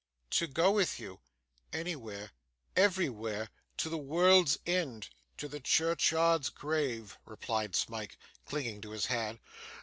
'To go with you anywhere everywhere to the world's end to the churchyard grave,' replied Smike, clinging to his hand.